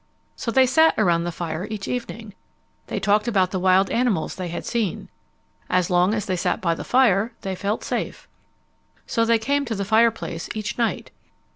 So they sat around the fire each evening. They talked about the wild animals they had seen. As long as they sat by the fire, they felt safe. So they came to the fireplace each night.